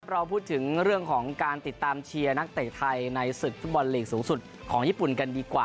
เราพูดถึงเรื่องของการติดตามเชียร์นักเตะไทยในศึกฟุตบอลลีกสูงสุดของญี่ปุ่นกันดีกว่า